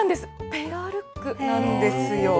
ペアルックなんですよ。